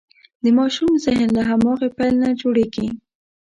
د ماشوم ذهن له هماغې پیل نه جوړېږي.